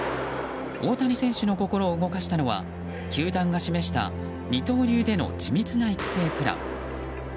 大谷選手の心を動かしたのは球団が示した二刀流での緻密な育成プラン。